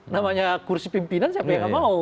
namanya kursi pimpinan siapa yang gak mau